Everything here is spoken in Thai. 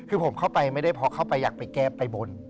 คือผมเข้าไปไม่ได้เพราะเข้าไปอยากไปแก้ไปบน